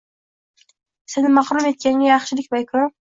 seni mahrum etganga yaxshilik va ikrom